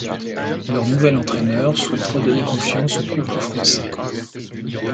Leur nouvel entraîneur souhaite redonner confiance au couple français.